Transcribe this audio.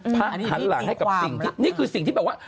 หันหลังให้กับสิ่งที่นี่คือสิ่งที่แบบว่า